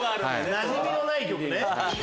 なじみのない曲ね。